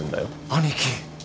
兄貴。